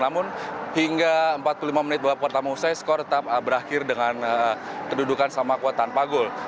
namun hingga empat puluh lima menit babak pertama usai skor tetap berakhir dengan kedudukan sama kuat tanpa gol